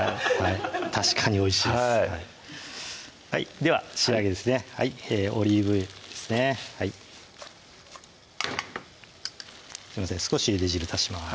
確かにおいしいですはいでは仕上げですねはいオリーブ油ですねすいません少しゆで汁足します